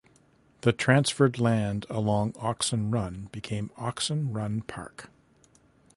The transferred land along Oxon Run became Oxon Run Park.